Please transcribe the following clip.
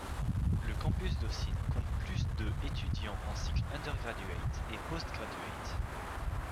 Le campus d'Austin compte plus de étudiants en cycles undergraduate et postgraduate.